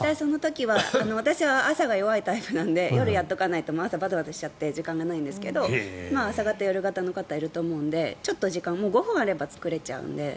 私は朝が弱いタイプなので夜やっておかないと朝はバタバタしちゃって時間がないんですけど朝型、夜型の方がいると思うのでちょっと時間５分あれば作れちゃうので。